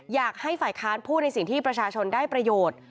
อยากให้ฝ่ายค้านพูดในสิ่งที่ประชาชนได้ประโยชน์